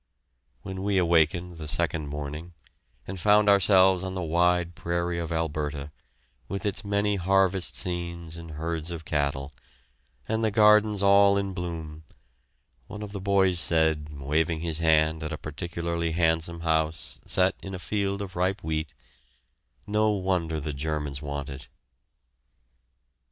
When we awakened the second morning, and found ourselves on the wide prairie of Alberta, with its many harvest scenes and herds of cattle, and the gardens all in bloom, one of the boys said, waving his hand at a particularly handsome house set in a field of ripe wheat, "No wonder the Germans want it!"